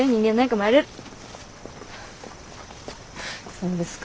そうですか。